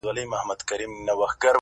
پر اغزیو راته اوښ وهي رمباړي٫